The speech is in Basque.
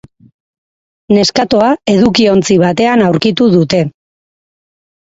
Neskatoa edukiontzi batean aurkitu dute.